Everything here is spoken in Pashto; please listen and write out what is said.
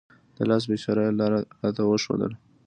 د لاس په اشاره یې لاره راته وښودله.